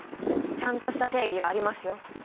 ちゃんとした定義がありますよ。